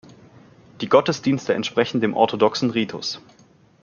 Die Gottesdienste entsprechen dem orthodoxen Ritus.